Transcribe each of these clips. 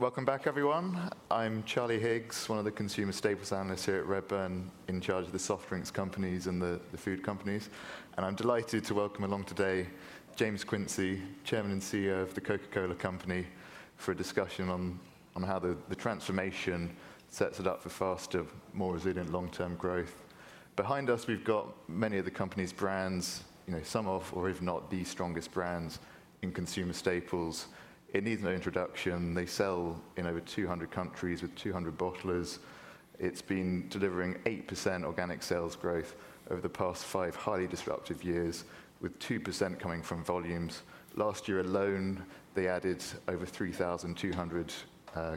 Welcome back, everyone. I'm Charlie Higgs, one of the consumer staples analysts here at Redburn, in charge of the soft drinks companies and the food companies. I'm delighted to welcome along today, James Quincey, Chairman and CEO of The Coca-Cola Company, for a discussion on how the transformation sets it up for faster, more resilient long-term growth. Behind us, we've got many of the company's brands, you know, some of, or if not the strongest brands in consumer staples. It needs no introduction. They sell in over 200 countries with 200 bottlers. It's been delivering 8% organic sales growth over the past five highly disruptive years, with 2% coming from volumes. Last year alone, they added over 3,200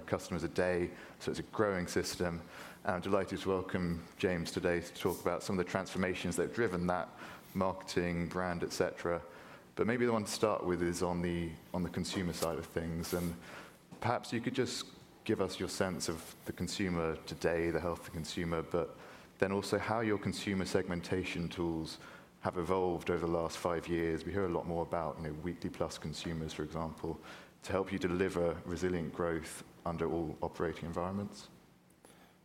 customers a day, so it's a growing system. I'm delighted to welcome James today to talk about some of the transformations that have driven that, marketing, brand, et cetera. But maybe the one to start with is on the consumer side of things, and perhaps you could just give us your sense of the consumer today, the health of the consumer, but then also how your consumer segmentation tools have evolved over the last five years. We hear a lot more about, you know, weekly plus consumers, for example, to help you deliver resilient growth under all operating environments.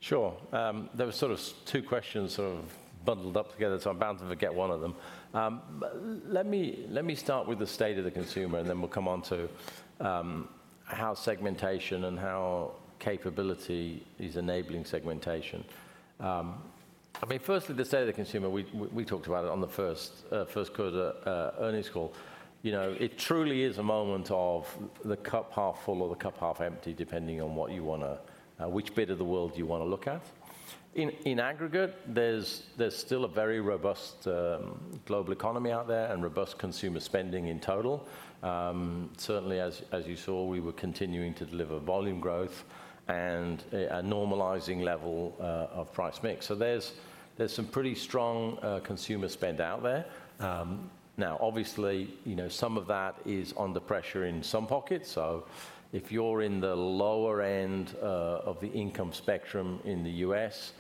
Sure. There were sort of two questions sort of bundled up together, so I'm bound to forget one of them. Let me start with the state of the consumer, and then we'll come on to how segmentation and how capability is enabling segmentation. I mean, firstly, the state of the consumer, we talked about it on the first quarter earnings call. You know, it truly is a moment of the cup half full or the cup half empty, depending on what you wanna which bit of the world you wanna look at. In aggregate, there's still a very robust global economy out there and robust consumer spending in total. Certainly as you saw, we were continuing to deliver volume growth and a normalizing level of price mix. So there's some pretty strong consumer spend out there. Now, obviously, you know, some of that is under pressure in some pockets. So if you're in the lower end of the income spectrum in the U.S.,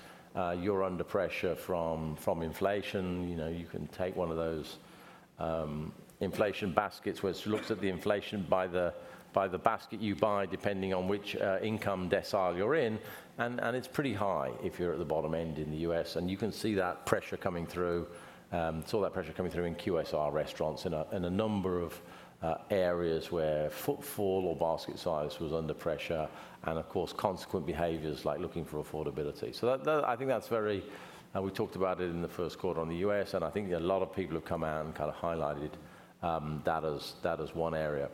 you're under pressure from inflation. You know, you can take one of those inflation baskets, which looks at the inflation by the basket you buy, depending on which income decile you're in, and it's pretty high if you're at the bottom end in the U.S., and you can see that pressure coming through. Saw that pressure coming through in QSR Restaurants, in a number of areas where footfall or basket size was under pressure, and of course, consequent behaviors like looking for affordability. So that, I think that's very... We talked about it in the first quarter on the U.S., and I think a lot of people have come out and kind of highlighted that as one area.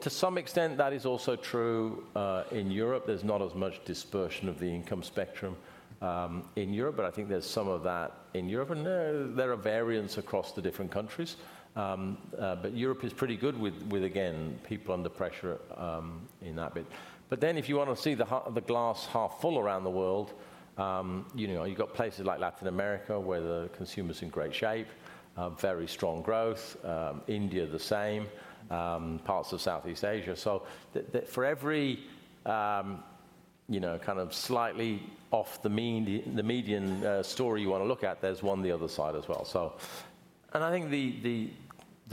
To some extent, that is also true in Europe. There's not as much dispersion of the income spectrum in Europe, but I think there's some of that in Europe, and there are variants across the different countries. But Europe is pretty good with again people under pressure in that bit. But then, if you want to see the glass half full around the world, you know, you've got places like Latin America, where the consumer's in great shape, very strong growth, India, the same, parts of Southeast Asia. So, for every, you know, kind of slightly off the mean, the median story you want to look at, there's one on the other side as well. So, and I think the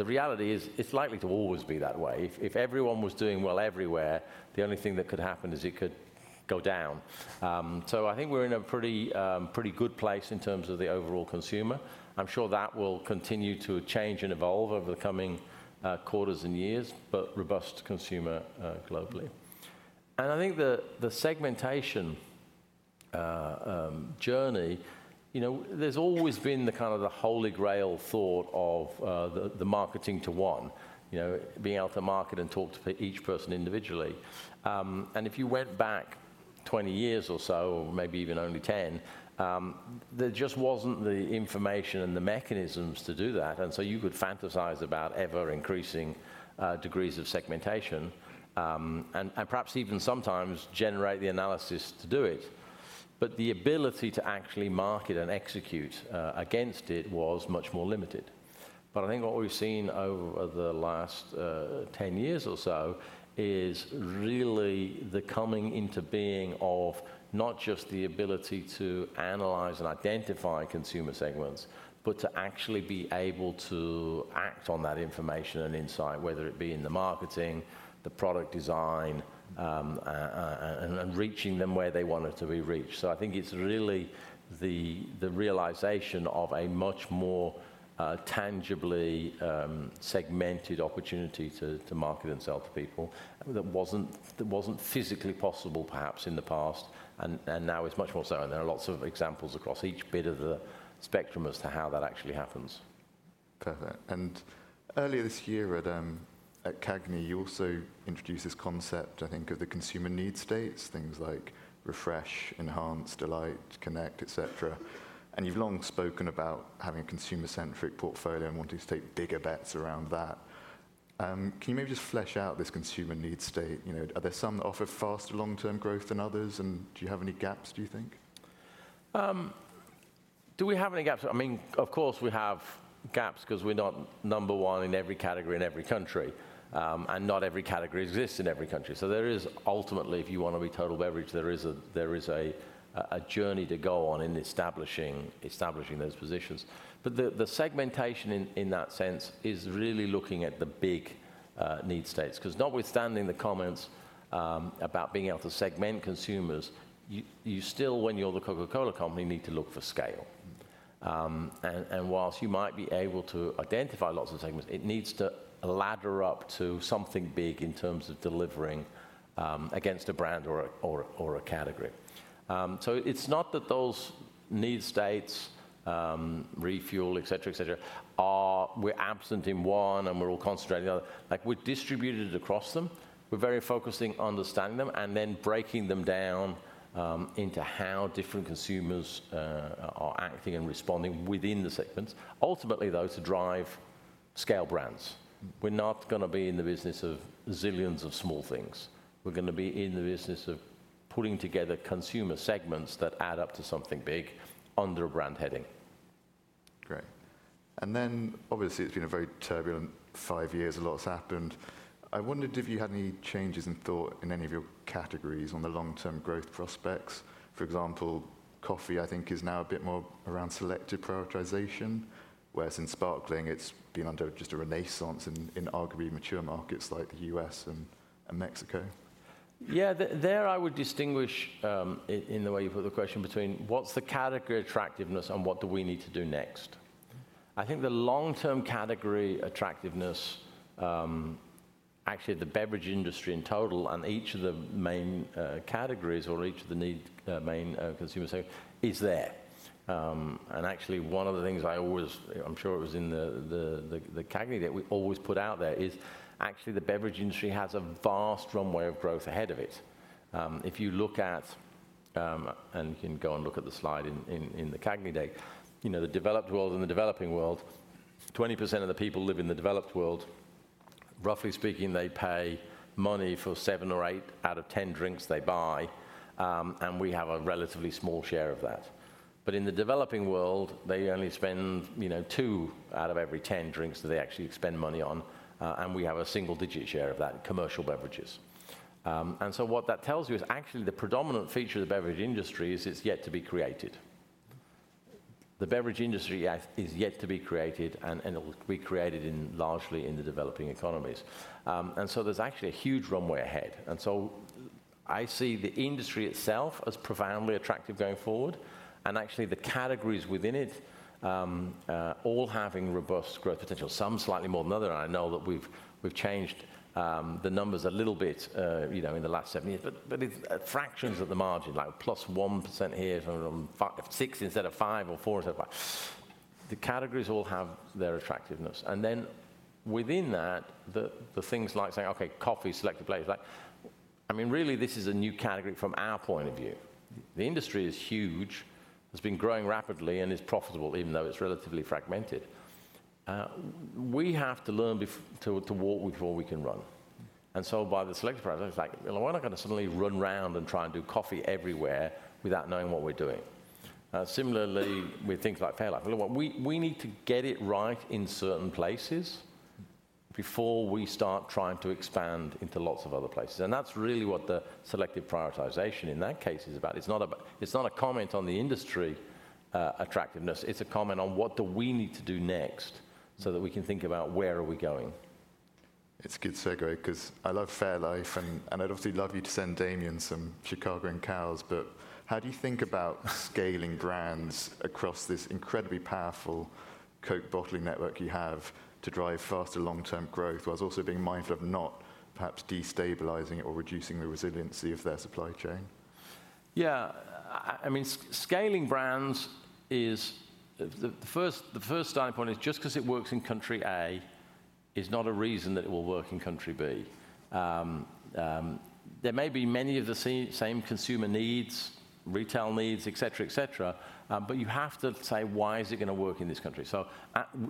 reality is, it's likely to always be that way. If everyone was doing well everywhere, the only thing that could happen is it could go down. So I think we're in a pretty, pretty good place in terms of the overall consumer. I'm sure that will continue to change and evolve over the coming quarters and years, but robust consumer globally. And I think the segmentation journey, you know, there's always been the kind of the holy grail thought of the marketing to one, you know, being able to market and talk to each person individually. And if you went back 20 years or so, or maybe even only 10, there just wasn't the information and the mechanisms to do that, and so you could fantasize about ever-increasing degrees of segmentation, and perhaps even sometimes generate the analysis to do it. But the ability to actually market and execute against it was much more limited. But I think what we've seen over the last 10 years or so is really the coming into being of not just the ability to analyze and identify consumer segments, but to actually be able to act on that information and insight, whether it be in the marketing, the product design, and reaching them where they wanted to be reached. So I think it's really the realization of a much more tangibly segmented opportunity to market and sell to people that wasn't physically possible, perhaps, in the past, and now it's much more so. And there are lots of examples across each bit of the spectrum as to how that actually happens. Perfect. And earlier this year at CAGNY, you also introduced this concept, I think, of the consumer need states, things like refresh, enhance, delight, connect, et cetera. And you've long spoken about having a consumer-centric portfolio and wanting to take bigger bets around that. Can you maybe just flesh out this consumer need state? You know, are there some that offer faster long-term growth than others, and do you have any gaps, do you think? Do we have any gaps? I mean, of course, we have gaps 'cause we're not number one in every category in every country, and not every category exists in every country. So there is ultimately, if you want to be total beverage, a journey to go on in establishing those positions. But the segmentation in that sense is really looking at the big need states. 'Cause notwithstanding the comments about being able to segment consumers, you still, when you're The Coca-Cola Company, need to look for scale. And whilst you might be able to identify lots of segments, it needs to ladder up to something big in terms of delivering against a brand or a category. So it's not that those need states, refuel, et cetera, et cetera, are-- we're absent in one, and we're all concentrated in the other. Like, we're distributed across them. We're very focusing on understanding them, and then breaking them down into how different consumers are acting and responding within the segments. Ultimately, though, to drive scale brands. We're not gonna be in the business of zillions of small things. We're gonna be in the business of pulling together consumer segments that add up to something big under a brand heading. Great. And then, obviously, it's been a very turbulent five years, a lot's happened. I wondered if you had any changes in thought in any of your categories on the long-term growth prospects. For example, coffee, I think, is now a bit more around selective prioritization, whereas in sparkling, it's been under just a renaissance in, in arguably mature markets like the U.S. and, and Mexico. Yeah, there I would distinguish, in the way you put the question between what's the category attractiveness and what do we need to do next? I think the long-term category attractiveness, actually, the beverage industry in total, and each of the main categories or each of the need main consumer segment, is there. And actually one of the things I always... I'm sure it was in the CAGNY that we always put out there, is actually the beverage industry has a vast runway of growth ahead of it. If you look at... And you can go and look at the slide in the CAGNY day. You know, the developed world and the developing world, 20% of the people live in the developed world. Roughly speaking, they pay money for 7 or 8 out of 10 drinks they buy, and we have a relatively small share of that. But in the developing world, they only spend, you know, 2 out of every 10 drinks that they actually spend money on, and we have a single-digit share of that in commercial beverages. And so what that tells you is actually the predominant feature of the beverage industry is it's yet to be created. The beverage industry is yet to be created, and it will be created largely in the developing economies. And so there's actually a huge runway ahead. And so I see the industry itself as profoundly attractive going forward, and actually, the categories within it all having robust growth potential, some slightly more than other. I know that we've changed the numbers a little bit, you know, in the last seven years, but it's fractions of the margin, like +1% here, six instead of five or four instead of five. The categories all have their attractiveness. And then within that, the things like saying, "Okay, coffee, selective place," like. I mean, really, this is a new category from our point of view. The industry is huge, it's been growing rapidly, and is profitable, even though it's relatively fragmented. We have to learn to walk before we can run. And so by the selective process, like, we're not gonna suddenly run round and try and do coffee everywhere without knowing what we're doing. Similarly, with things like fairlife, you know what? We need to get it right in certain places before we start trying to expand into lots of other places, and that's really what the selective prioritization in that case is about. It's not a comment on the industry attractiveness, it's a comment on what we need to do next so that we can think about where we are going. It's a good segue 'cause I love fairlife, and, and I'd obviously love you to send Damian some Chicagoan cows. But how do you think about scaling brands across this incredibly powerful Coke bottling network you have to drive faster long-term growth, while also being mindful of not perhaps destabilizing it or reducing the resiliency of their supply chain? Yeah. I mean, scaling brands is... The first starting point is just 'cause it works in country A, is not a reason that it will work in country B. There may be many of the same consumer needs, retail needs, et cetera, et cetera, but you have to say: Why is it gonna work in this country? So,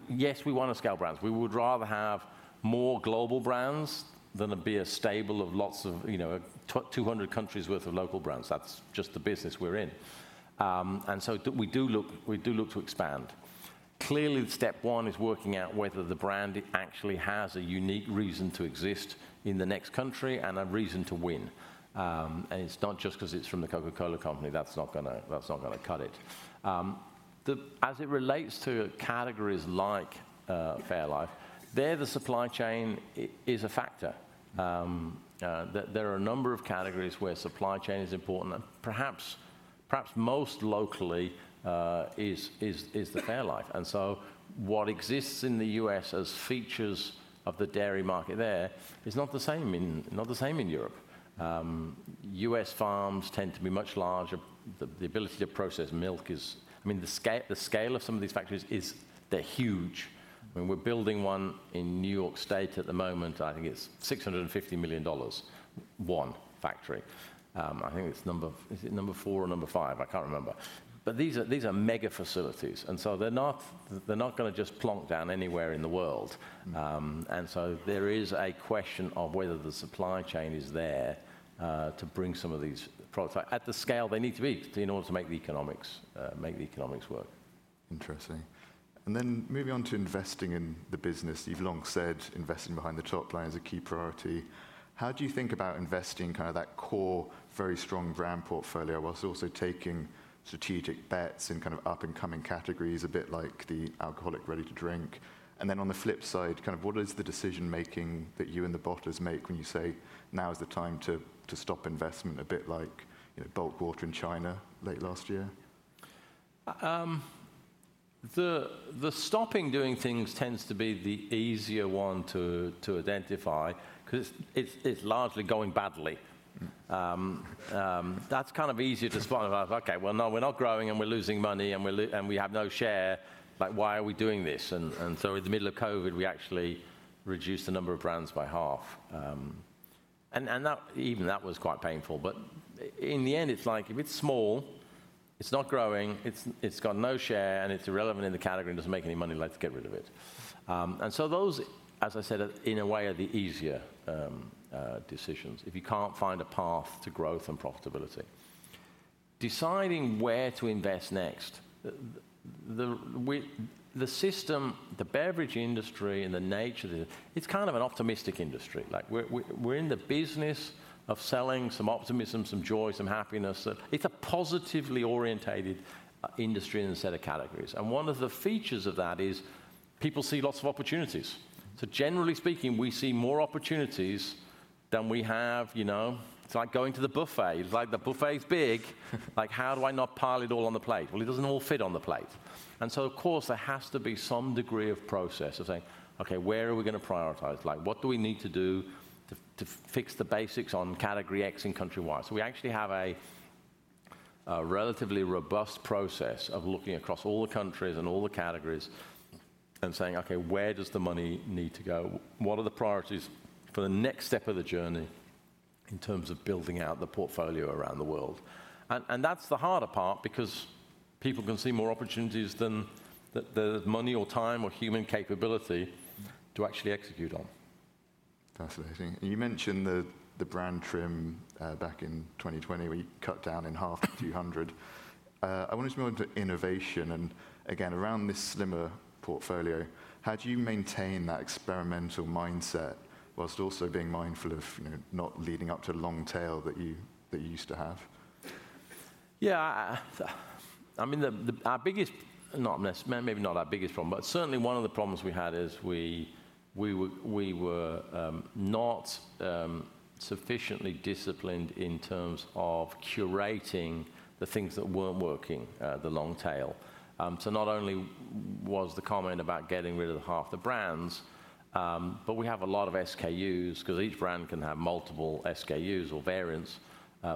yes, we wanna scale brands. We would rather have more global brands than it be a stable of lots of, you know, 200 countries worth of local brands. That's just the business we're in. And so we do look to expand. Clearly, step one is working out whether the brand actually has a unique reason to exist in the next country, and a reason to win. And it's not just 'cause it's from The Coca-Cola Company, that's not gonna, that's not gonna cut it. As it relates to categories like fairlife, there, the supply chain is a factor. There are a number of categories where supply chain is important, and perhaps most locally, the fairlife. And so what exists in the US as features of the dairy market there, is not the same in, not the same in Europe. US farms tend to be much larger. The ability to process milk is I mean, the scale of some of these factories is they're huge. I mean, we're building one in New York State at the moment. I think it's $650 million, one factory. I think it's number four or number five? I can't remember. But these are, these are mega facilities, and so they're not, they're not gonna just plonk down anywhere in the world. And so there is a question of whether the supply chain is there, to bring some of these products at, at the scale they need to be, in order to make the economics, make the economics work.... Interesting. And then moving on to investing in the business, you've long said investing behind the top line is a key priority. How do you think about investing kind of that core, very strong brand portfolio, while also taking strategic bets in kind of up-and-coming categories, a bit like the alcoholic ready-to-drink? And then on the flip side, kind of what is the decision-making that you and the board make when you say, "Now is the time to stop investment," a bit like, you know, bulk water in China late last year? The stopping doing things tends to be the easier one to identify, 'cause it's largely going badly. That's kind of easier to spot, and like, "Okay, well, no, we're not growing, and we're losing money, and we have no share. Like, why are we doing this?" And so in the middle of COVID, we actually reduced the number of brands by half. And that, even that was quite painful. But in the end, it's like, if it's small, it's not growing, it's got no share, and it's irrelevant in the category, and doesn't make any money, let's get rid of it. And so those, as I said, are, in a way, the easier decisions, if you can't find a path to growth and profitability. Deciding where to invest next, the system, the beverage industry, and the nature of it, it's kind of an optimistic industry. Like, we're in the business of selling some optimism, some joy, some happiness. It's a positively orientated industry in the set of categories, and one of the features of that is people see lots of opportunities. So generally speaking, we see more opportunities than we have, you know... It's like going to the buffet. It's like the buffet's big... like, how do I not pile it all on the plate? Well, it doesn't all fit on the plate. And so, of course, there has to be some degree of process of saying: "Okay, where are we gonna prioritize? Like, what do we need to do to fix the basics on category X in country Y? So we actually have a relatively robust process of looking across all the countries and all the categories and saying: "Okay, where does the money need to go? What are the priorities for the next step of the journey in terms of building out the portfolio around the world?" And that's the harder part because people can see more opportunities than the money or time or human capability to actually execute on. Fascinating. You mentioned the brand trim back in 2020, where you cut down in half a few hundred. I wanted to move on to innovation, and again, around this slimmer portfolio, how do you maintain that experimental mindset while also being mindful of, you know, not leading up to a long tail that you used to have? Yeah, I mean, our biggest, maybe not our biggest problem, but certainly one of the problems we had is we were not sufficiently disciplined in terms of curating the things that weren't working, the long tail. So not only was the comment about getting rid of half the brands, but we have a lot of SKUs, 'cause each brand can have multiple SKUs or variants,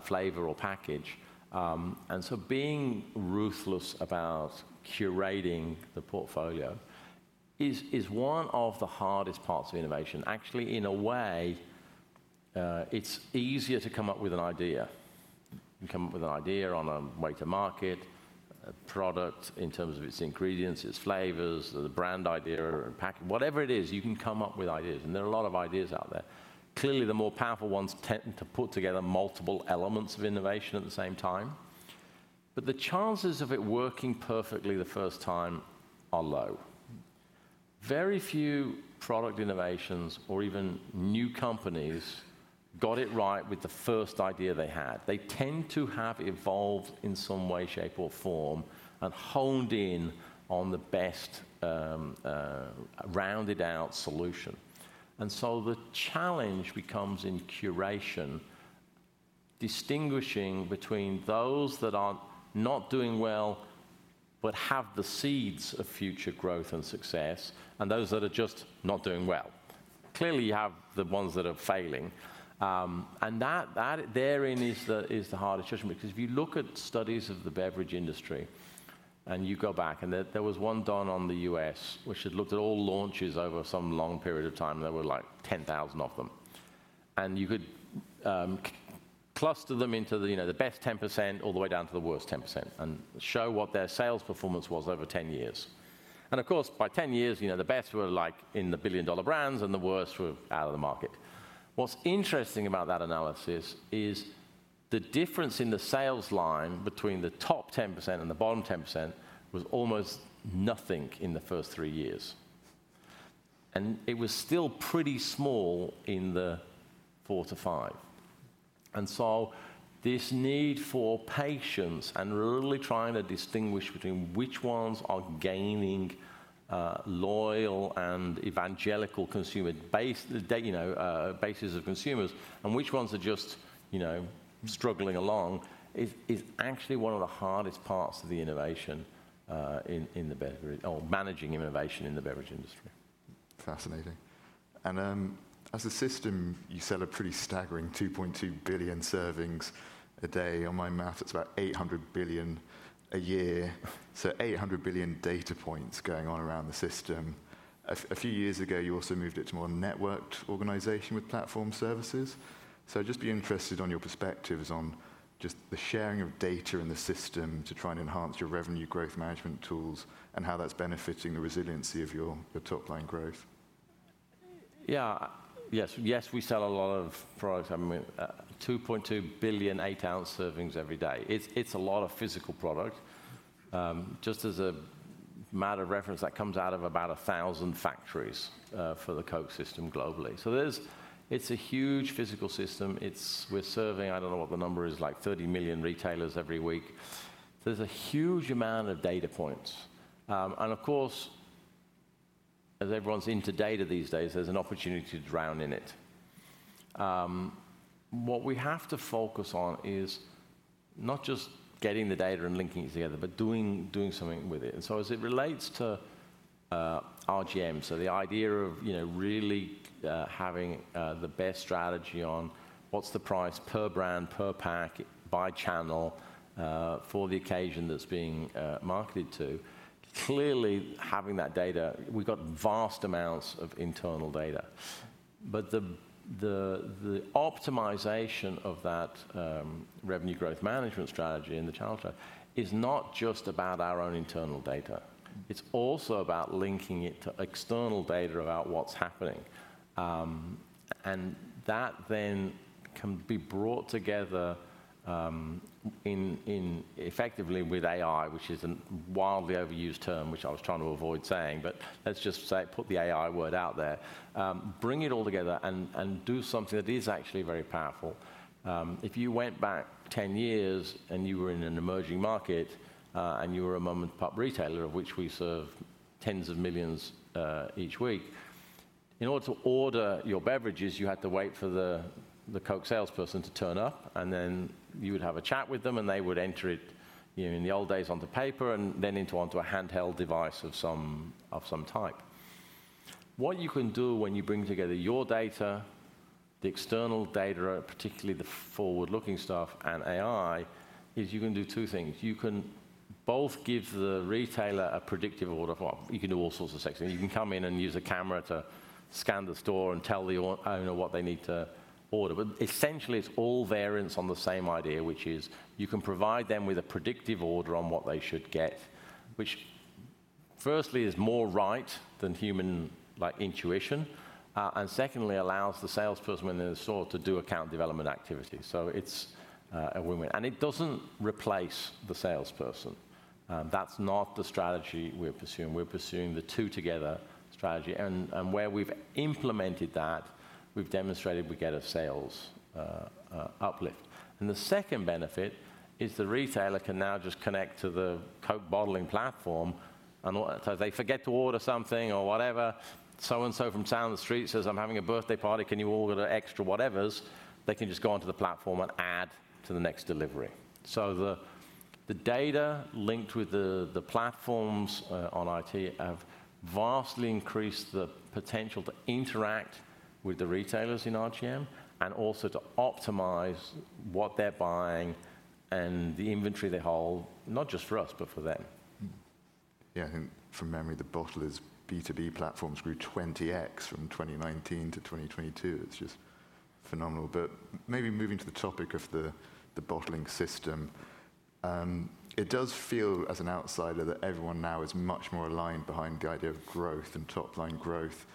flavor or package. And so being ruthless about curating the portfolio is one of the hardest parts of innovation. Actually, in a way, it's easier to come up with an idea. You come up with an idea on a way to market, a product in terms of its ingredients, its flavors, the brand idea or packaging. Whatever it is, you can come up with ideas, and there are a lot of ideas out there. Clearly, the more powerful ones tend to put together multiple elements of innovation at the same time, but the chances of it working perfectly the first time are low. Very few product innovations or even new companies got it right with the first idea they had. They tend to have evolved in some way, shape, or form and honed in on the best, rounded out solution. And so the challenge becomes in curation, distinguishing between those that are not doing well, but have the seeds of future growth and success, and those that are just not doing well. Clearly, you have the ones that are failing, and that therein is the hard assessment because if you look at studies of the beverage industry, and you go back, and there was one done on the US, which had looked at all launches over some long period of time, there were, like, 10,000 of them. And you could cluster them into the, you know, the best 10% all the way down to the worst 10%, and show what their sales performance was over 10 years. And of course, by 10 years, you know, the best were, like, in the billion-dollar brands, and the worst were out of the market. What's interesting about that analysis is the difference in the sales line between the top 10% and the bottom 10% was almost nothing in the first three years. It was still pretty small in the 4-5. So this need for patience and really trying to distinguish between which ones are gaining loyal and evangelical consumer base, you know, bases of consumers, and which ones are just, you know, struggling along is actually one of the hardest parts of the innovation in the beverage or managing innovation in the beverage industry. Fascinating. And, as a system, you sell a pretty staggering 2.2 billion servings a day. On my math, it's about 800 billion a year, so 800 billion data points going on around the system. A few years ago, you also moved it to a more networked organization with platform services. So I'd just be interested on your perspectives on just the sharing of data in the system to try and enhance your revenue growth management tools, and how that's benefiting the resiliency of your top-line growth.... Yeah, yes. Yes, we sell a lot of product. I mean, 2.2 billion 8-ounce servings every day. It's, it's a lot of physical product. Just as a matter of reference, that comes out of about 1,000 factories for the Coke system globally. So there's, it's a huge physical system. It's... We're serving, I don't know what the number is, like 30 million retailers every week. There's a huge amount of data points. And of course, as everyone's into data these days, there's an opportunity to drown in it. What we have to focus on is not just getting the data and linking it together, but doing, doing something with it. And so as it relates to RGM, so the idea of, you know, really having the best strategy on what's the price per brand, per pack, by channel for the occasion that's being marketed to, clearly, having that data, we've got vast amounts of internal data. But the optimization of that revenue growth management strategy in the channel is not just about our own internal data. It's also about linking it to external data about what's happening. And that then can be brought together effectively with AI, which is a wildly overused term, which I was trying to avoid saying, but let's just say, put the AI word out there. Bring it all together and do something that is actually very powerful. If you went back 10 years, and you were in an emerging market, and you were a mom-and-pop retailer, of which we serve tens of millions each week, in order to order your beverages, you had to wait for the Coke salesperson to turn up, and then you would have a chat with them, and they would enter it, you know, in the old days, onto paper, and then onto a handheld device of some type. What you can do when you bring together your data, the external data, particularly the forward-looking stuff, and AI, is you can do two things. You can both give the retailer a predictive order for... You can do all sorts of sections. You can come in and use a camera to scan the store and tell the owner what they need to order. But essentially, it's all variants on the same idea, which is you can provide them with a predictive order on what they should get, which firstly, is more right than human, like, intuition, and secondly, allows the salesperson when they're in store to do account development activities. So it's a win-win. And it doesn't replace the salesperson. That's not the strategy we're pursuing. We're pursuing the two together strategy, and where we've implemented that, we've demonstrated we get a sales uplift. And the second benefit is the retailer can now just connect to the Coke bottling platform, and if they forget to order something or whatever, so and so from down the street says, "I'm having a birthday party, can you order extra whatevers?" They can just go onto the platform and add to the next delivery. So the data linked with the platforms on IT have vastly increased the potential to interact with the retailers in RGM, and also to optimize what they're buying and the inventory they hold, not just for us, but for them. Mm-hmm. Yeah, I think from memory, the bottlers' B2B platforms grew 20x from 2019-2022. It's just phenomenal. But maybe moving to the topic of the bottling system, it does feel as an outsider that everyone now is much more aligned behind the idea of growth and top-line growth.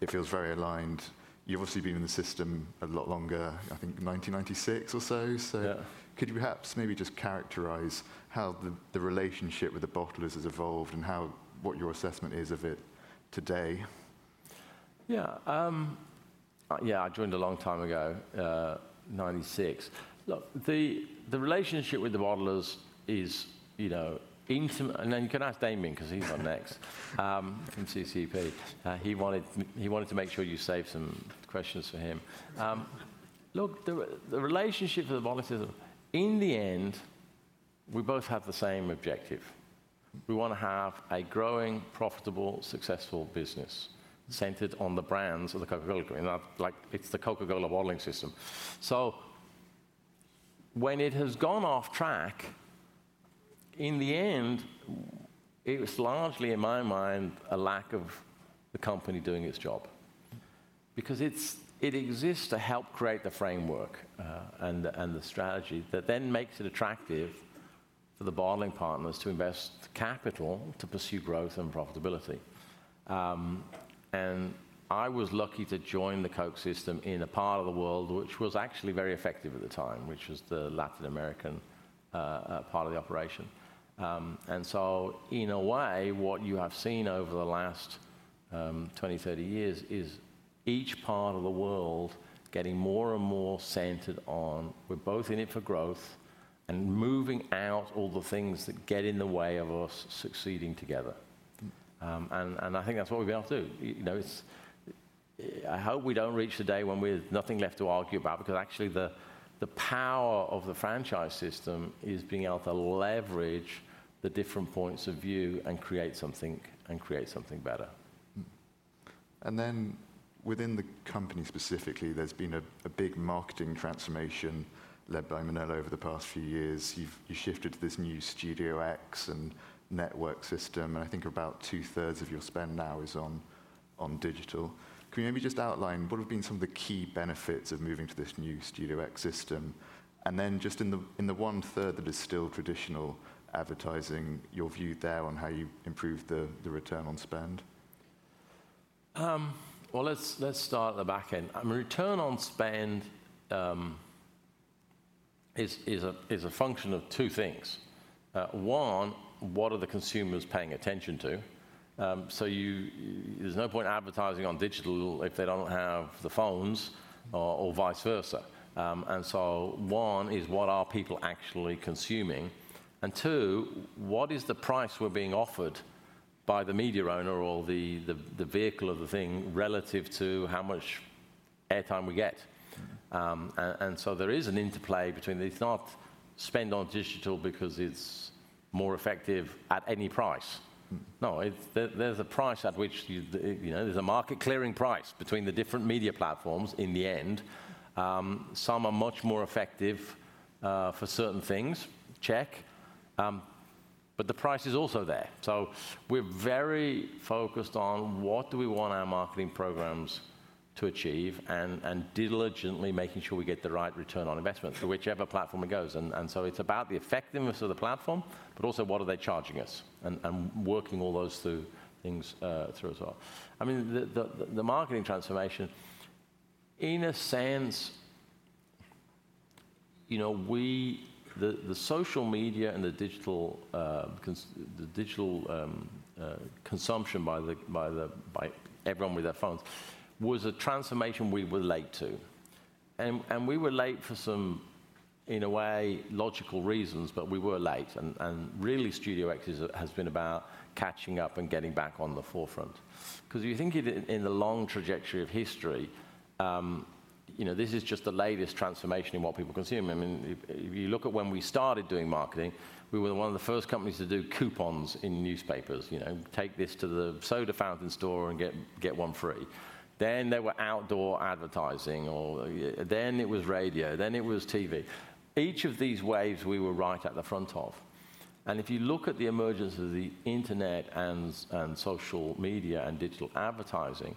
It feels very aligned. You've obviously been in the system a lot longer, I think 1996 or so. Yeah. Could you perhaps maybe just characterize how the relationship with the bottlers has evolved and what your assessment is of it today? Yeah. Yeah, I joined a long time ago, '96. Look, the relationship with the bottlers is, you know, intimate, and then you can ask Damian, 'cause he's on next, from CCEP. He wanted, he wanted to make sure you save some questions for him. Look, the relationship with the bottlers is, in the end, we both have the same objective. We wanna have a growing, profitable, successful business centered on the brands of the Coca-Cola Company, not like... It's the Coca-Cola bottling system. So when it has gone off track, in the end, it was largely, in my mind, a lack of the company doing its job. Because it's it exists to help create the framework, and the strategy that then makes it attractive for the bottling partners to invest capital to pursue growth and profitability. And I was lucky to join the Coke system in a part of the world which was actually very effective at the time, which was the Latin American part of the operation. And so in a way, what you have seen over the last 20-30 years is each part of the world getting more and more centered on, we're both in it for growth and moving out all the things that get in the way of us succeeding together. I think that's what we've been able to do. You know, it's... I hope we don't reach the day when we have nothing left to argue about, because actually, the power of the franchise system is being able to leverage the different points of view and create something, and create something better. Mm-hmm. And then within the company specifically, there's been a big marketing transformation led by Manolo over the past few years. You've shifted to this new Studio X and network system, and I think about two-thirds of your spend now is on digital. Can you maybe just outline what have been some of the key benefits of moving to this new Studio X system? And then just in the one-third that is still traditional advertising, your view there on how you improved the return on spend?... Well, let's start at the back end. Return on spend is a function of two things. One, what are the consumers paying attention to? So you—there's no point advertising on digital if they don't have the phones or vice versa. And so one is what are people actually consuming? And two, what is the price we're being offered by the media owner or the vehicle of the thing relative to how much airtime we get? And so there is an interplay between... It's not spend on digital because it's more effective at any price. No, it—there, there's a price at which you know, there's a market clearing price between the different media platforms in the end. Some are much more effective for certain things, but the price is also there. So we're very focused on what do we want our marketing programs to achieve, and diligently making sure we get the right return on investment for whichever platform it goes. And so it's about the effectiveness of the platform, but also, what are they charging us? And working all those things through as well. I mean, the marketing transformation, in a sense, you know, we... The social media and the digital consumption by everyone with their phones, was a transformation we were late to. And we were late for some, in a way, logical reasons, but we were late. And really, Studio X has been about catching up and getting back on the forefront. 'Cause if you think of it in the long trajectory of history, you know, this is just the latest transformation in what people consume. I mean, if you look at when we started doing marketing, we were one of the first companies to do coupons in newspapers. You know, take this to the soda fountain store and get one free. Then there were outdoor advertising, then it was radio, then it was TV. Each of these waves, we were right at the front of. If you look at the emergence of the internet and social media, and digital advertising,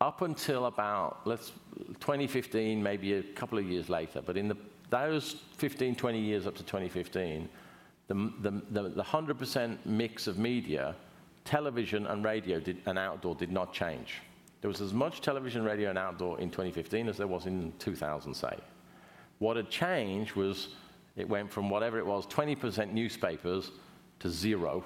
up until about 2015, maybe a couple of years later, but in those 15, 20 years up to 2015, the 100% mix of media, television and radio, and outdoor did not change. There was as much television, radio, and outdoor in 2015 as there was in 2000, say. What had changed was it went from whatever it was, 20% newspapers to 0,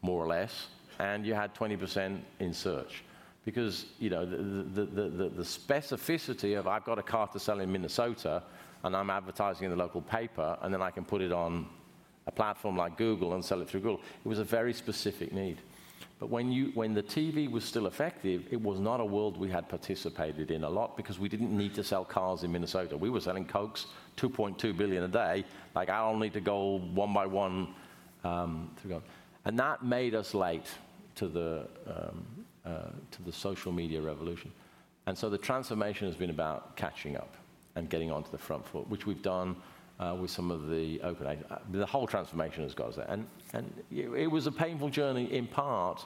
more or less, and you had 20% in search. Because, you know, the specificity of, "I've got a car to sell in Minnesota, and I'm advertising in the local paper, and then I can put it on a platform like Google and sell it through Google," it was a very specific need. But when the TV was still effective, it was not a world we had participated in a lot because we didn't need to sell cars in Minnesota. We were selling Cokes, 2.2 billion a day. Like, I don't need to go one by one to go... And that made us late to the social media revolution. And so the transformation has been about catching up and getting onto the front foot, which we've done with some of the open... The whole transformation has got us there. And it was a painful journey, in part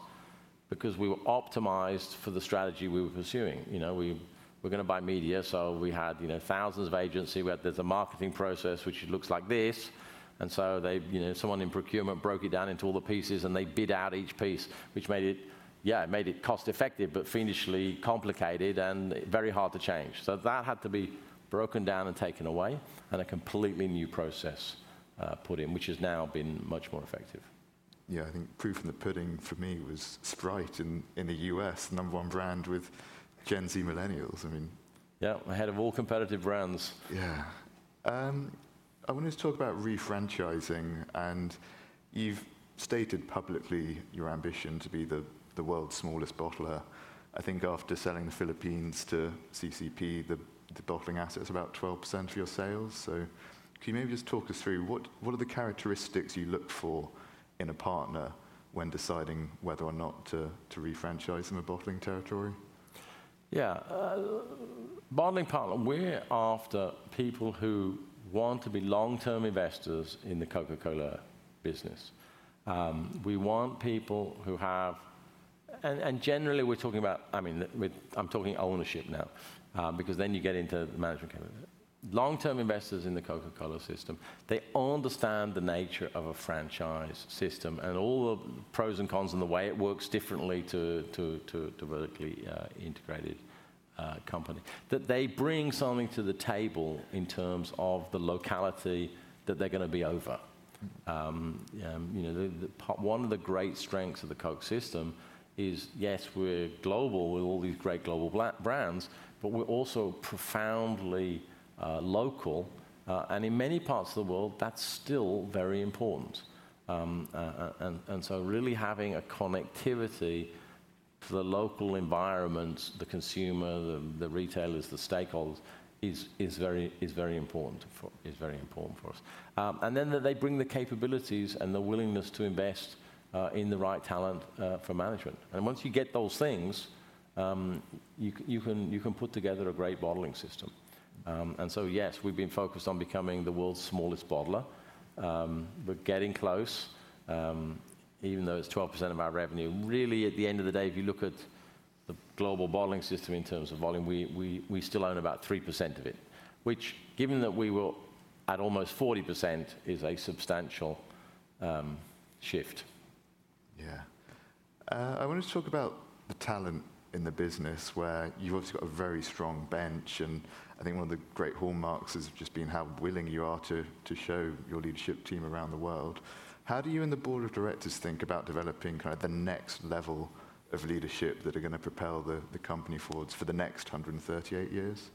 because we were optimized for the strategy we were pursuing. You know, we were gonna buy media, so we had, you know, thousands of agency. We had. There's a marketing process which looks like this, and so they, you know, someone in procurement broke it down into all the pieces, and they bid out each piece, which made it, yeah, it made it cost-effective, but fiendishly complicated and very hard to change. So that had to be broken down and taken away, and a completely new process put in, which has now been much more effective. Yeah, I think proof in the pudding for me was Sprite in the U.S., number one brand with Gen Z millennials. I mean- Yeah, ahead of all competitive brands. Yeah. I wanted to talk about refranchising, and you've stated publicly your ambition to be the world's smallest bottler. I think after selling the Philippines to CCEP, the bottling asset's about 12% of your sales. So can you maybe just talk us through what are the characteristics you look for in a partner when deciding whether or not to refranchise in a bottling territory? Yeah. Bottling partner, we're after people who want to be long-term investors in the Coca-Cola business. We want people who have... And generally, we're talking about, I mean, I'm talking ownership now, because then you get into the management category. Long-term investors in the Coca-Cola system, they understand the nature of a franchise system and all the pros and cons and the way it works differently to a vertically integrated company. That they bring something to the table in terms of the locality that they're gonna be over. You know, the one of the great strengths of the Coke system is, yes, we're global with all these great global brands, but we're also profoundly local, and in many parts of the world, that's still very important. And so really having a connectivity to the local environment, the consumer, the retailers, the stakeholders, is very important for us. And then that they bring the capabilities and the willingness to invest in the right talent for management. And once you get those things, you can put together a great bottling system. And so, yes, we've been focused on becoming the world's smallest bottler. We're getting close, even though it's 12% of our revenue. Really, at the end of the day, if you look at the global bottling system in terms of volume, we still own about 3% of it, which, given that we were at almost 40%, is a substantial shift. Yeah. I wanted to talk about the talent in the business, where you've obviously got a very strong bench, and I think one of the great hallmarks has just been how willing you are to show your leadership team around the world. How do you and the board of directors think about developing kind of the next level of leadership that are gonna propel the company forwards for the next 138 years?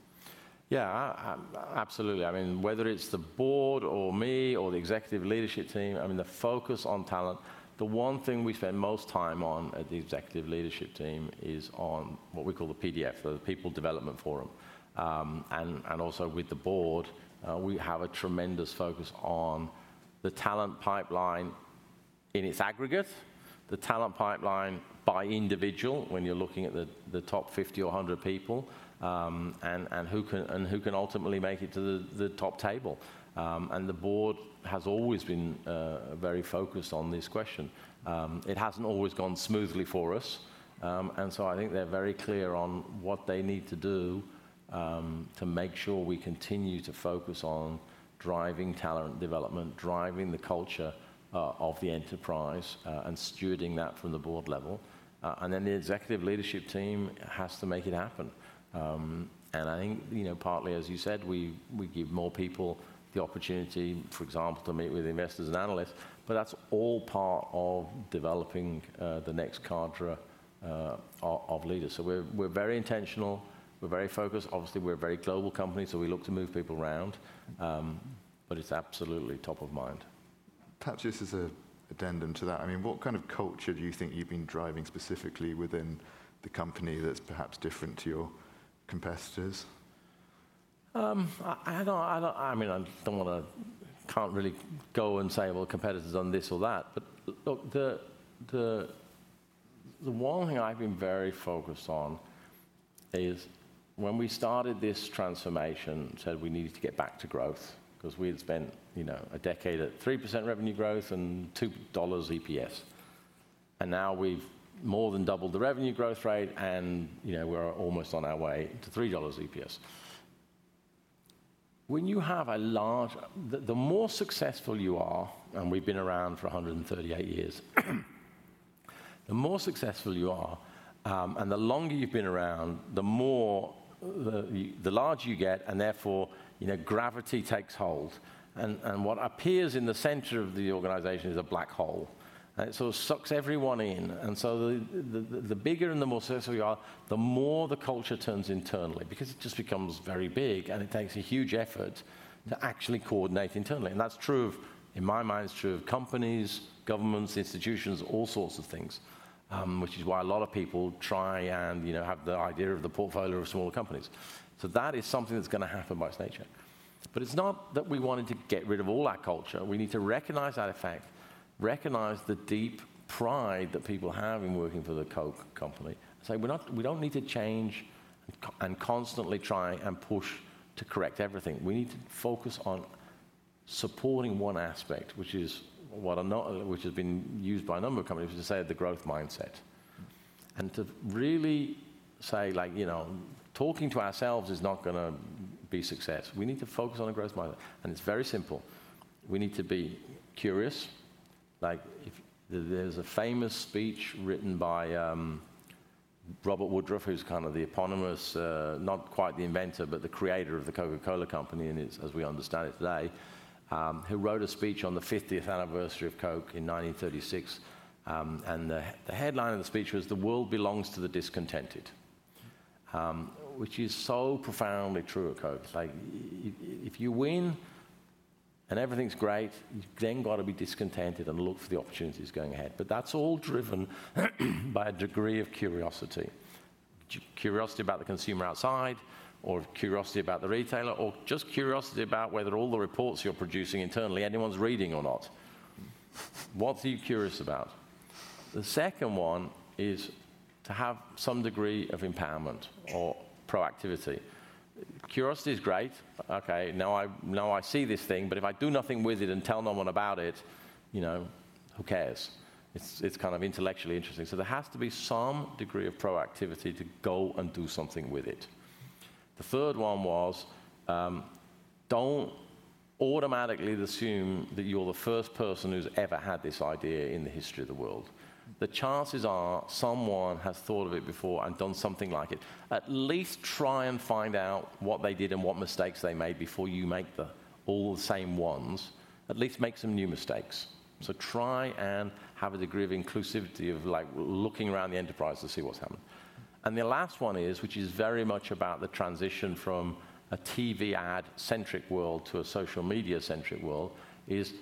Yeah, absolutely. I mean, whether it's the board or me or the executive leadership team, I mean, the focus on talent, the one thing we spend most time on at the executive leadership team is on what we call the PDF, or the People Development Forum. And also with the board, we have a tremendous focus on the talent pipeline in its aggregate, the talent pipeline by individual, when you're looking at the top 50 or 100 people, and who can ultimately make it to the top table. And the board has always been very focused on this question. It hasn't always gone smoothly for us, and so I think they're very clear on what they need to do to make sure we continue to focus on driving talent development, driving the culture of the enterprise, and stewarding that from the board level. And then the executive leadership team has to make it happen. And I think, you know, partly as you said, we give more people the opportunity, for example, to meet with investors and analysts, but that's all part of developing the next cadre of leaders. So we're very intentional, we're very focused. Obviously, we're a very global company, so we look to move people around. But it's absolutely top of mind. Perhaps just as an addendum to that, I mean, what kind of culture do you think you've been driving specifically within the company that's perhaps different to your competitors? I don't... I mean, I don't wanna—I can't really go and say, "Well, the competitor's done this or that," but look, the one thing I've been very focused on is when we started this transformation, said we needed to get back to growth, 'cause we had spent, you know, a decade at 3% revenue growth and $2 EPS. And now we've more than doubled the revenue growth rate, and, you know, we're almost on our way to $3 EPS. When you have a large... The more successful you are, and we've been around for 138 years, the more successful you are, and the longer you've been around, the larger you get, and therefore, you know, gravity takes hold. What appears in the center of the organization is a black hole, and it sort of sucks everyone in. So the bigger and the more successful you are, the more the culture turns internally, because it just becomes very big, and it takes a huge effort to actually coordinate internally. And that's true of, in my mind, it's true of companies, governments, institutions, all sorts of things. Which is why a lot of people try and, you know, have the idea of the portfolio of smaller companies. So that is something that's gonna happen by its nature. But it's not that we wanted to get rid of all that culture. We need to recognize that effect, recognize the deep pride that people have in working for the Coke Company. So we're not-- we don't need to change co... and constantly try and push to correct everything. We need to focus on supporting one aspect, which is, which has been used by a number of companies, to say, the growth mindset. And to really say, like, you know, talking to ourselves is not gonna be success. We need to focus on a growth mindset, and it's very simple. We need to be curious. Like, if... There's a famous speech written by Robert Woodruff, who's kind of the eponymous, not quite the inventor, but the creator of The Coca-Cola Company, and it's, as we understand it today, who wrote a speech on the fiftieth anniversary of Coke in 1936. And the headline of the speech was: "The World Belongs to the Discontented." Which is so profoundly true at Coke. It's like, if you win and everything's great, you've then got to be discontented and look for the opportunities going ahead. But that's all driven by a degree of curiosity. Curiosity about the consumer outside, or curiosity about the retailer, or just curiosity about whether all the reports you're producing internally, anyone's reading or not. What are you curious about? The second one is to have some degree of empowerment or proactivity. Curiosity is great. Okay, now I see this thing, but if I do nothing with it and tell no one about it, you know, who cares? It's, it's kind of intellectually interesting. So there has to be some degree of proactivity to go and do something with it. The third one was, don't automatically assume that you're the first person who's ever had this idea in the history of the world. The chances are someone has thought of it before and done something like it. At least try and find out what they did and what mistakes they made before you make all the same ones. At least make some new mistakes. So try and have a degree of inclusivity, of like, looking around the enterprise to see what's happening. And the last one is, which is very much about the transition from a TV ad-centric world to a social media-centric world, is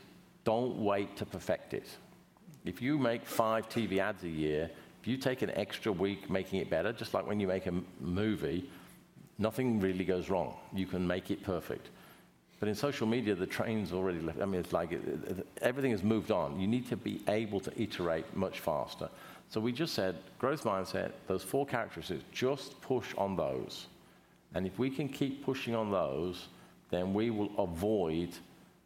don't wait to perfect it. If you make five TV ads a year, if you take an extra week making it better, just like when you make a movie, nothing really goes wrong. You can make it perfect. But in social media, the train's already left. I mean, it's like, everything has moved on. You need to be able to iterate much faster. So we just said, growth mindset, those four characteristics, just push on those. And if we can keep pushing on those, then we will avoid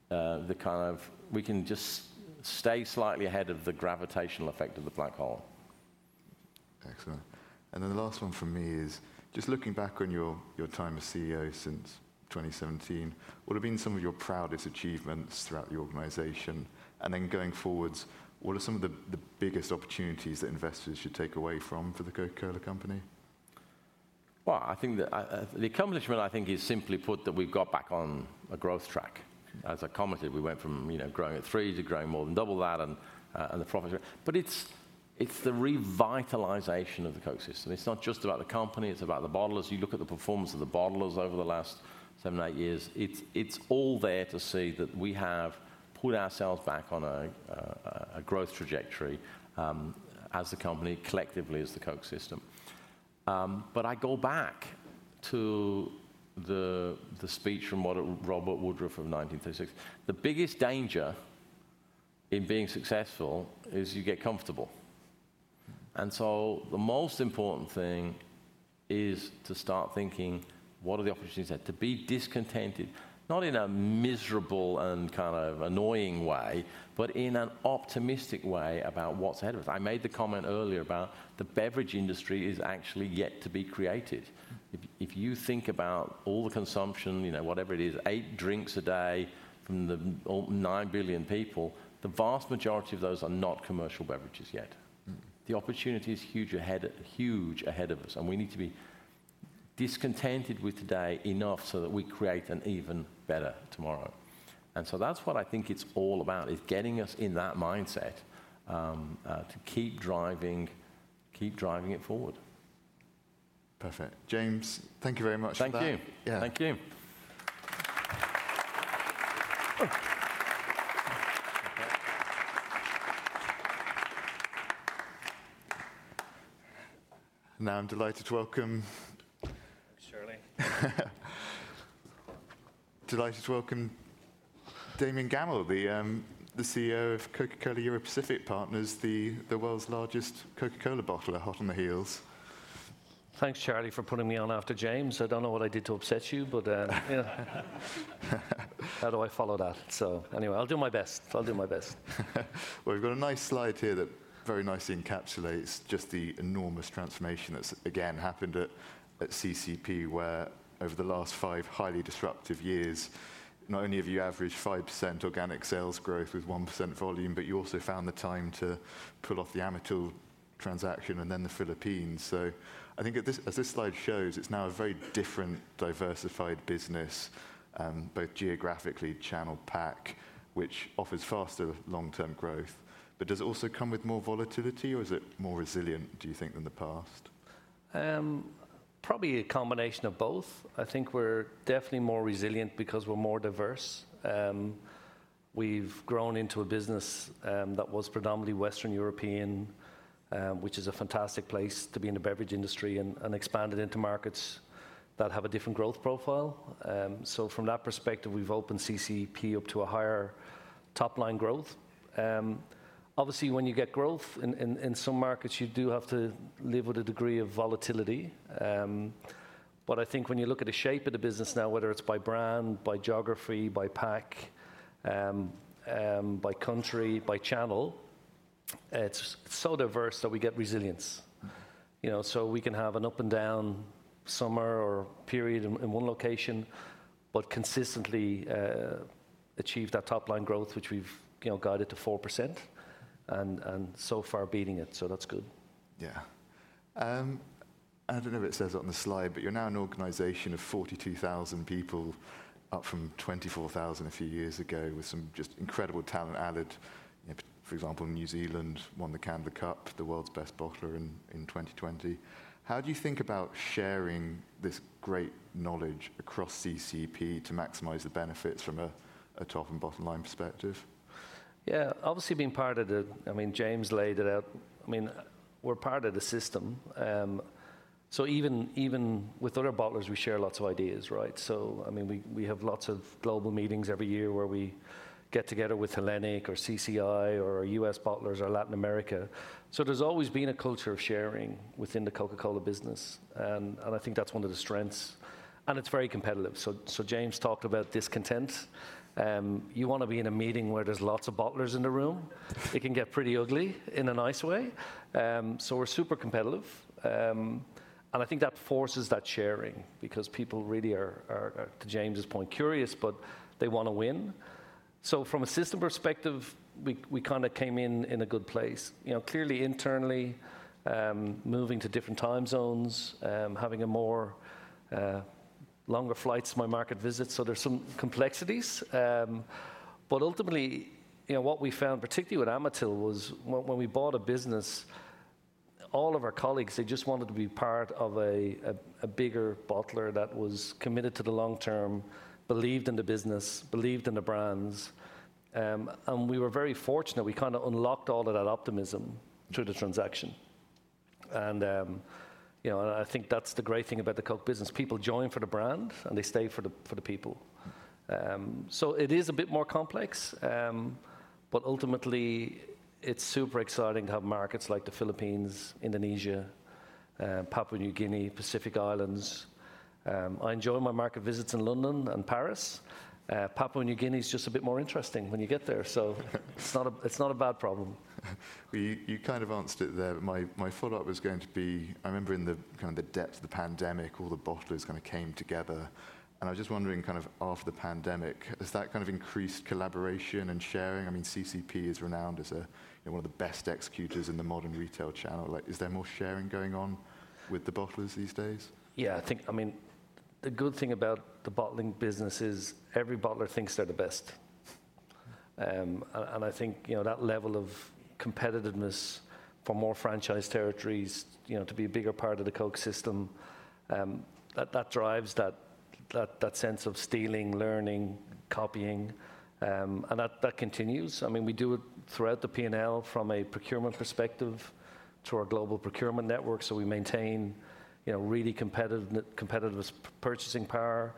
the kind of... We can just stay slightly ahead of the gravitational effect of the black hole.... Excellent. And then the last one from me is, just looking back on your, your time as CEO since 2017, what have been some of your proudest achievements throughout the organization? And then going forwards, what are some of the, the biggest opportunities that investors should take away from for the Coca-Cola Company? Well, I think that the accomplishment I think is simply put that we've got back on a growth track. As I commented, we went from, you know, growing at 3 to growing more than double that, and the profit. But it's the revitalization of the Coke system. It's not just about the company, it's about the bottlers. You look at the performance of the bottlers over the last 7, 8 years, it's all there to see that we have put ourselves back on a growth trajectory as a company, collectively as the Coke system. But I go back to the speech from Robert Woodruff of 1936. The biggest danger in being successful is you get comfortable. And so the most important thing is to start thinking, what are the opportunities there? To be discontented, not in a miserable and kind of annoying way, but in an optimistic way about what's ahead of us. I made the comment earlier about the beverage industry is actually yet to be created. If you think about all the consumption, you know, whatever it is, 8 drinks a day from the 9 billion people, the vast majority of those are not commercial beverages yet. Mm. The opportunity is huge ahead, huge ahead of us, and we need to be discontented with today enough so that we create an even better tomorrow. So that's what I think it's all about, is getting us in that mindset, to keep driving, keep driving it forward. Perfect. James, thank you very much for that. Thank you. Yeah. Thank you. Now, I'm delighted to welcome... Thanks, Charlie. Delighted to welcome Damian Gammell, the CEO of Coca-Cola Europacific Partners, the world's largest Coca-Cola bottler, hot on the heels. Thanks, Charlie, for putting me on after James. I don't know what I did to upset you, but, yeah. How do I follow that? So anyway, I'll do my best. I'll do my best. Well, we've got a nice slide here that very nicely encapsulates just the enormous transformation that's, again, happened at CCEP, where over the last five highly disruptive years, not only have you averaged 5% organic sales growth with 1% volume, but you also found the time to pull off the Amatil transaction and then the Philippines. So I think at this, as this slide shows, it's now a very different diversified business, both geographically, channel pack, which offers faster long-term growth. But does it also come with more volatility, or is it more resilient, do you think, than the past? Probably a combination of both. I think we're definitely more resilient because we're more diverse. We've grown into a business that was predominantly Western European, which is a fantastic place to be in the beverage industry, and expanded into markets that have a different growth profile. So from that perspective, we've opened CCEP up to a higher top-line growth. Obviously, when you get growth in some markets, you do have to live with a degree of volatility. But I think when you look at the shape of the business now, whether it's by brand, by geography, by pack, by country, by channel, it's so diverse that we get resilience. You know, so we can have an up and down summer or period in one location, but consistently achieve that top-line growth, which we've, you know, guided to 4%, and so far beating it, so that's good. Yeah. I don't know if it says it on the slide, but you're now an organization of 42,000 people, up from 24,000 a few years ago, with some just incredible talent added. For example, New Zealand won the Candler Cup, the world's best bottler in 2020. How do you think about sharing this great knowledge across CCEP to maximize the benefits from a top and bottom line perspective? Yeah, obviously, being part of the system. I mean, James laid it out. I mean, we're part of the system. So even with other bottlers, we share lots of ideas, right? So, I mean, we have lots of global meetings every year where we get together with Hellenic or CCI or US bottlers or Latin America. So there's always been a culture of sharing within the Coca-Cola business, and I think that's one of the strengths, and it's very competitive. So James talked about discontent. You wanna be in a meeting where there's lots of bottlers in the room. It can get pretty ugly in a nice way. So we're super competitive. And I think that forces that sharing because people really are, to James's point, curious, but they wanna win. So from a system perspective, we kind of came in in a good place. You know, clearly internally, moving to different time zones, having a more longer flights to my market visits, so there's some complexities. But ultimately, you know, what we found, particularly with Amatil, was when we bought a business, all of our colleagues, they just wanted to be part of a bigger bottler that was committed to the long term, believed in the business, believed in the brands. And we were very fortunate, we kind of unlocked all of that optimism through the transaction. And, you know, I think that's the great thing about the Coke business. People join for the brand, and they stay for the people. So it is a bit more complex, but ultimately it's super exciting to have markets like the Philippines, Indonesia, Papua New Guinea, Pacific Islands. I enjoy my market visits in London and Paris. Papua New Guinea is just a bit more interesting when you get there, so it's not a bad problem. Well, you kind of answered it there, but my follow-up was going to be, I remember in the kind of the depth of the pandemic, all the bottlers kind of came together. I was just wondering, kind of after the pandemic, has that kind of increased collaboration and sharing? I mean, CCEP is renowned as a, you know, one of the best executors in the modern retail channel. Like, is there more sharing going on with the bottlers these days? Yeah, I think, I mean, the good thing about the bottling business is every bottler thinks they're the best. I think, you know, that level of competitiveness for more franchise territories, you know, to be a bigger part of the Coke system, that sense of stealing, learning, copying, and that continues. I mean, we do it throughout the P&L from a procurement perspective, through our global procurement network, so we maintain, you know, really competitive purchasing power.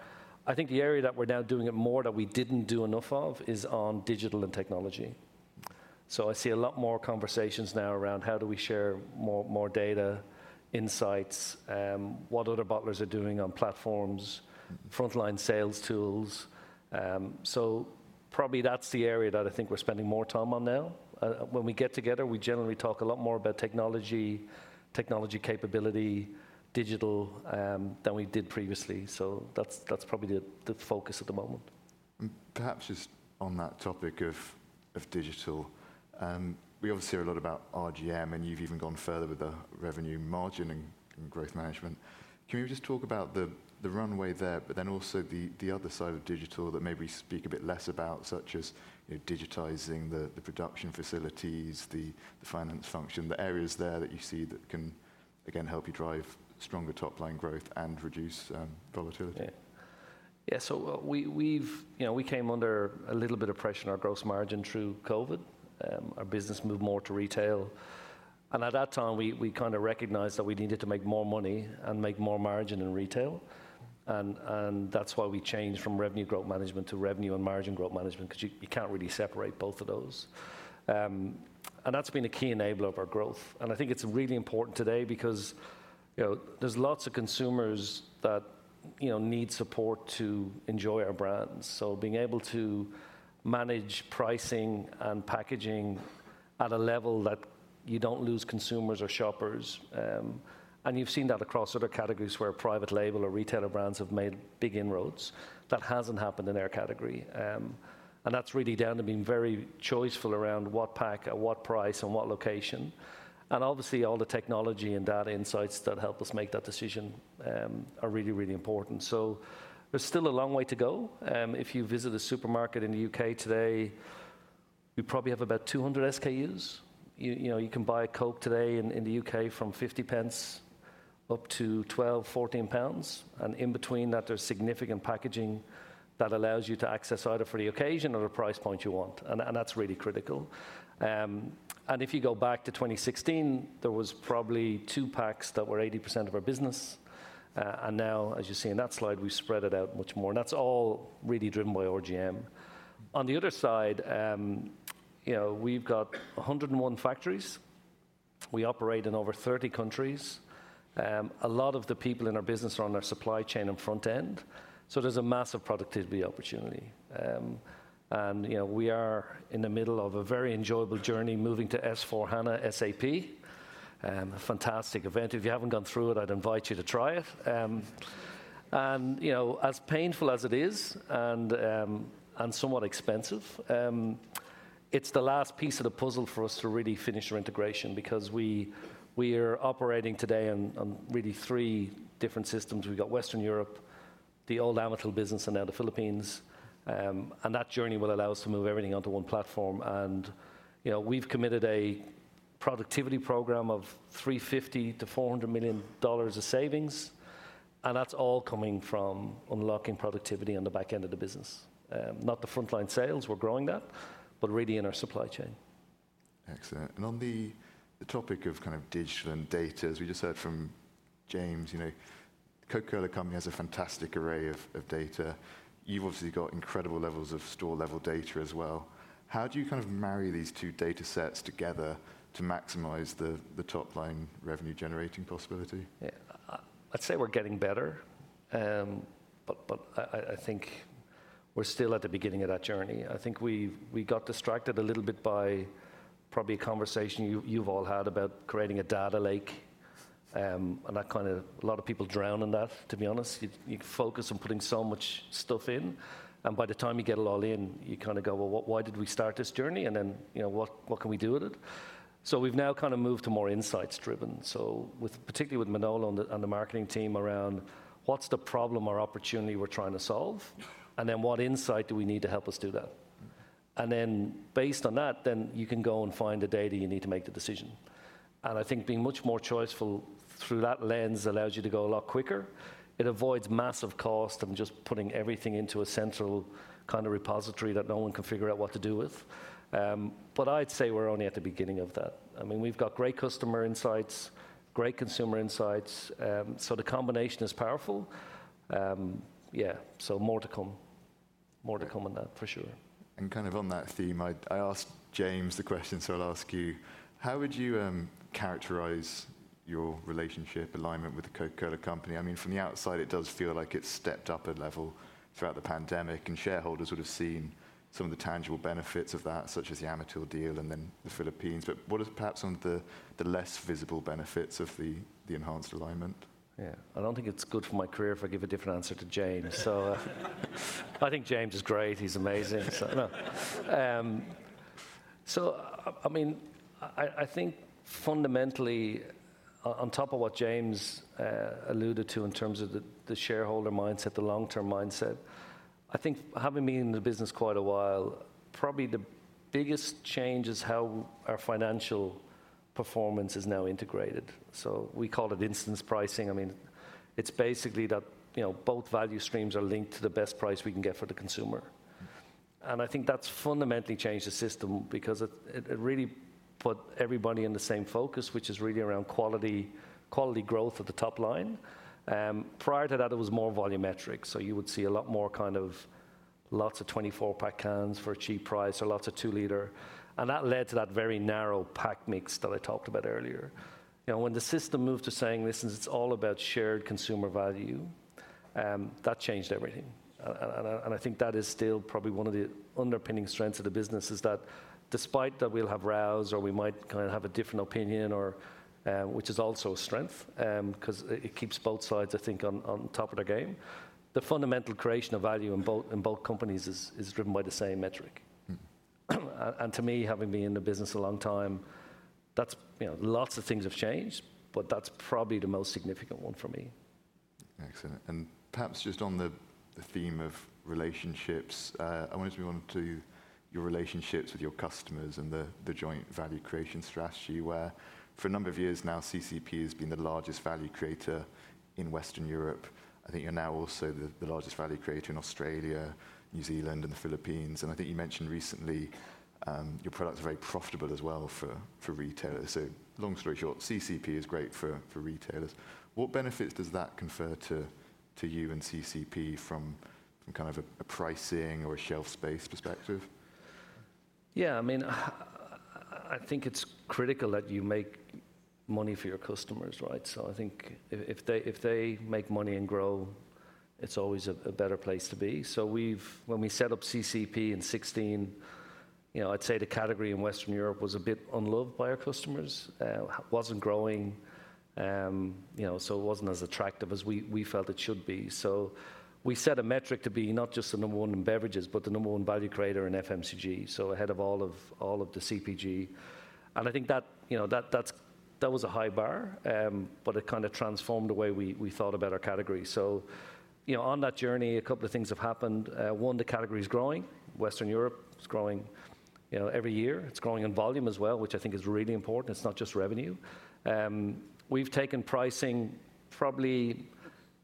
I think the area that we're now doing it more that we didn't do enough of is on digital and technology. So I see a lot more conversations now around how do we share more data, insights, what other bottlers are doing on platforms, frontline sales tools. So probably that's the area that I think we're spending more time on now. When we get together, we generally talk a lot more about technology, technology capability, digital, than we did previously. So that's, that's probably the, the focus at the moment. And perhaps just on that topic of digital, we obviously hear a lot about RGM, and you've even gone further with the revenue margin and growth management. Can you just talk about the runway there, but then also the other side of digital that maybe we speak a bit less about, such as, you know, digitizing the production facilities, the finance function, the areas there that you see can, again, help you drive stronger top-line growth and reduce volatility? Yeah. Yeah, so we've, you know, we came under a little bit of pressure on our gross margin through COVID. Our business moved more to retail, and at that time we kind of recognized that we needed to make more money and make more margin in retail. And that's why we changed from revenue growth management to revenue and margin growth management, 'cause you can't really separate both of those. And that's been a key enabler of our growth, and I think it's really important today because, you know, there's lots of consumers that need support to enjoy our brands. So being able to manage pricing and packaging at a level that you don't lose consumers or shoppers. And you've seen that across other categories where private label or retailer brands have made big inroads. That hasn't happened in our category. And that's really down to being very choiceful around what pack, at what price, and what location. And obviously, all the technology and data insights that help us make that decision are really, really important. So there's still a long way to go. If you visit a supermarket in the U.K. today, we probably have about 200 SKUs. You know, you can buy a Coke today in the U.K. from 0.50 up to 12-14 pounds, and in between that there's significant packaging that allows you to access either for the occasion or the price point you want, and that's really critical. And if you go back to 2016, there was probably two packs that were 80% of our business. And now, as you see in that slide, we've spread it out much more, and that's all really driven by RGM. On the other side, you know, we've got 101 factories. We operate in over 30 countries. A lot of the people in our business are on our supply chain and front end, so there's a massive productivity opportunity. And, you know, we are in the middle of a very enjoyable journey moving to S/4HANA SAP. A fantastic event. If you haven't gone through it, I'd invite you to try it. And, you know, as painful as it is, and somewhat expensive, it's the last piece of the puzzle for us to really finish our integration because we are operating today on really three different systems. We've got Western Europe, the old Amatil business, and now the Philippines. That journey will allow us to move everything onto one platform. You know, we've committed a productivity program of $350 million-$400 million of savings, and that's all coming from unlocking productivity on the back end of the business. Not the frontline sales, we're growing that, but really in our supply chain. Excellent. On the topic of kind of digital and data, as we just heard from James, you know, Coca-Cola Company has a fantastic array of data. You've obviously got incredible levels of store-level data as well. How do you kind of marry these two data sets together to maximize the top-line revenue-generating possibility? Yeah. I'd say we're getting better, but I think we're still at the beginning of that journey. I think we got distracted a little bit by probably a conversation you've all had about creating a data lake. And that kind of a lot of people drown in that, to be honest. You focus on putting so much stuff in, and by the time you get it all in, you kind of go, "Well, why did we start this journey? And then, you know, what can we do with it?" So we've now kind of moved to more insights-driven. So with particularly with Manolo and the marketing team around: What's the problem or opportunity we're trying to solve? And then what insight do we need to help us do that? And then, based on that, then you can go and find the data you need to make the decision. And I think being much more choiceful through that lens allows you to go a lot quicker. It avoids massive cost of just putting everything into a central kind of repository that no one can figure out what to do with. But I'd say we're only at the beginning of that. I mean, we've got great customer insights, great consumer insights, so the combination is powerful. Yeah, so more to come... more to come on that, for sure. Kind of on that theme, I asked James the question, so I'll ask you: How would you characterize your relationship alignment with the Coca-Cola Company? I mean, from the outside, it does feel like it's stepped up a level throughout the pandemic, and shareholders would've seen some of the tangible benefits of that, such as the Amatil deal and then the Philippines. But what are perhaps some of the less visible benefits of the enhanced alignment? Yeah. I don't think it's good for my career if I give a different answer to James. So, I think James is great. He's amazing, so, no. So, I mean, I think fundamentally, on top of what James alluded to in terms of the shareholder mindset, the long-term mindset, I think having been in the business quite a while, probably the biggest change is how our financial performance is now integrated. So we call it incidence pricing. I mean, it's basically that, you know, both value streams are linked to the best price we can get for the consumer. And I think that's fundamentally changed the system because it really put everybody in the same focus, which is really around quality, quality growth at the top line. Prior to that, it was more volumetric, so you would see a lot more kind of lots of 24-pack cans for a cheap price or lots of 2-liter, and that led to that very narrow pack mix that I talked about earlier. You know, when the system moved to saying, "Listen, it's all about shared consumer value," that changed everything. And I think that is still probably one of the underpinning strengths of the business, is that despite that we'll have rows or we might kind of have a different opinion or, which is also a strength, 'cause it, it keeps both sides, I think, on, on top of their game. The fundamental creation of value in both, in both companies is, is driven by the same metric. Mm-hmm. To me, having been in the business a long time, that's, you know, lots of things have changed, but that's probably the most significant one for me. Excellent. And perhaps just on the theme of relationships, I wonder if you wanted to... Your relationships with your customers and the joint value creation strategy, where for a number of years now, CCEP has been the largest value creator in Western Europe. I think you're now also the largest value creator in Australia, New Zealand and the Philippines, and I think you mentioned recently, your products are very profitable as well for retailers. So long story short, CCEP is great for retailers. What benefits does that confer to you and CCEP from kind of a pricing or a shelf space perspective? Yeah, I mean, I think it's critical that you make money for your customers, right? So I think if they make money and grow, it's always a better place to be. So we've. When we set up CCEP in 2016, you know, I'd say the category in Western Europe was a bit unloved by our customers. Wasn't growing, you know, so it wasn't as attractive as we felt it should be. So we set a metric to be not just the number one in beverages, but the number one value creator in FMCG, so ahead of all of the CPG. And I think that, you know, that was a high bar, but it kind of transformed the way we thought about our category. So, you know, on that journey, a couple of things have happened. One, the category is growing. Western Europe is growing, you know, every year. It's growing in volume as well, which I think is really important. It's not just revenue. We've taken pricing probably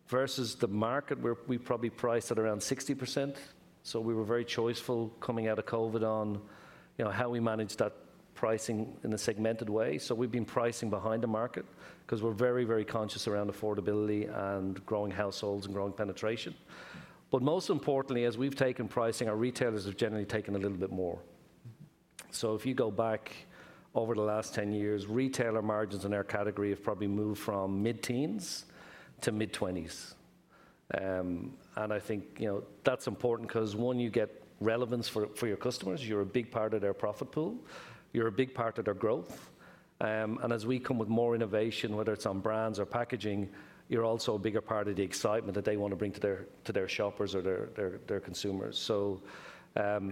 versus the market, where we probably priced at around 60%, so we were very choiceful coming out of COVID on, you know, how we managed that pricing in a segmented way. So we've been pricing behind the market 'cause we're very, very conscious around affordability and growing households and growing penetration. But most importantly, as we've taken pricing, our retailers have generally taken a little bit more. So if you go back over the last 10 years, retailer margins in our category have probably moved from mid-teens to mid-twenties. And I think, you know, that's important 'cause, one, you get relevance for, for your customers. You're a big part of their profit pool. You're a big part of their growth. And as we come with more innovation, whether it's on brands or packaging, you're also a bigger part of the excitement that they want to bring to their shoppers or their consumers. So,